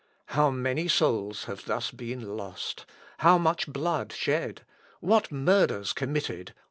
how many souls have thus been lost! how much blood shed! what murders committed!